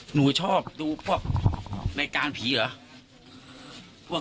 หนูชอบดูเราการผีหรือ